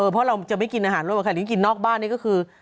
เพราะเราจะไม่กินอาหารร่วมกับใครที่กินนอกบ้านนี่ก็คือ